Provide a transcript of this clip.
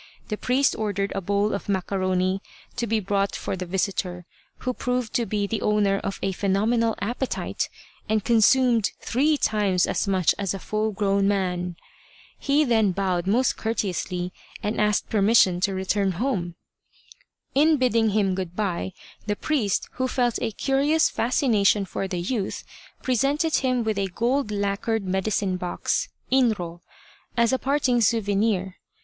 The priest ordered a bowl of macaroni to be brought for the visitor, who proved to be the owner of a phenomenal appetite, and consumed three times as much as a full grown man. He then bowed most courteously and asked per mission to return home. In bidding him good bye, the priest, who felt a curious fascination for the youth, presented him with a gold lacquered medicine box (inro) as a parting souvenir.